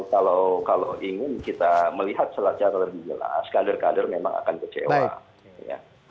jadi kalau ingin kita melihat secara lebih jelas kader kader memang akan kecewa